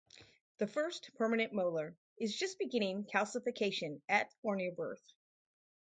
The first permanent molar is just beginning calcification at or near birth.